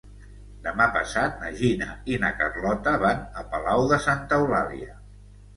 Demà passat na Gina i na Carlota van a Palau de Santa Eulàlia.